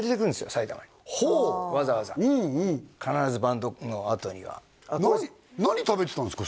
埼玉にわざわざ必ずバンドのあとには何食べてたんですか？